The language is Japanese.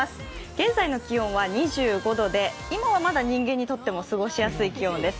現在の気温は２５度で今はまだ人間にとっても過ごしやすい気温です。